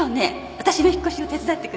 わたしの引っ越しを手伝ってくれるの。